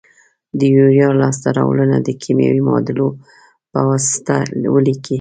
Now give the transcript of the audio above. د یوریا لاس ته راوړنه د کیمیاوي معادلو په واسطه ولیکئ.